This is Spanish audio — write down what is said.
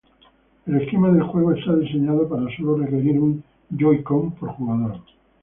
El esquema del juego está diseñado para sólo requerir un Joy-Con por jugador.